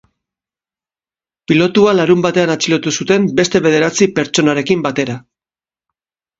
Pilotua larunbatean atxilotu zuten beste bederatzi pertsonarekin batera.